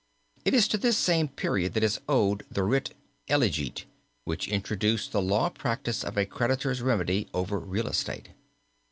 It is to this same period that is owed the writ Elegit which introduced the law practice of a creditor's remedy over real estate.